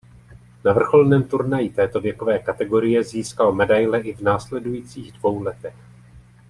Na vrcholném turnaji této věkové kategorie získal medaile i v následujících dvou letech.